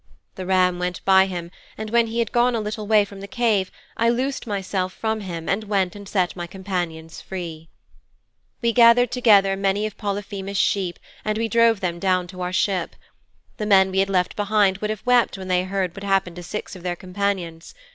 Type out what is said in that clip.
The ram went by him, and when he had gone a little way from the cave I loosed myself from him and went and set my companions free.' 'We gathered together many of Polyphemus' sheep and we drove them down to our ship. The men we had left behind would have wept when they heard what had happened to six of their companions.